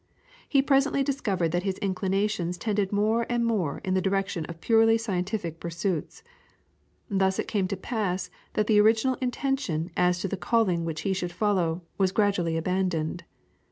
He presently discovered that his inclinations tended more and more in the direction of purely scientific pursuits. Thus it came to pass that the original intention as to the calling which he should follow was gradually abandoned.